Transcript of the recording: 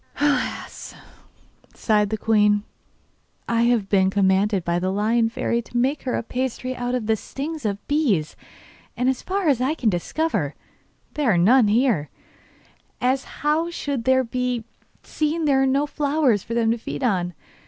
'Alas,' sighed the queen, 'I have been commanded by the Lion Fairy to make her a pasty out of the stings of bees, and, as far as I can discover, there are none here; as how should there be, seeing there are no flowers for them to feed on?